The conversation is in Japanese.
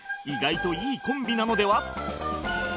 意外といいコンビなのでは？